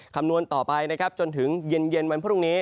คำนวณต่อไปนะครับจนถึงเย็นวันพรุ่งนี้